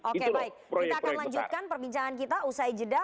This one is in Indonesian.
oke baik kita akan lanjutkan perbincangan kita usai jeda